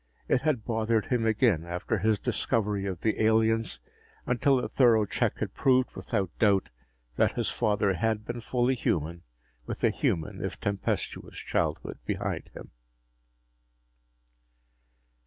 It had bothered him again, after his discovery of the aliens, until a thorough check had proved without doubt that his father had been fully human, with a human, if tempestuous, childhood behind him.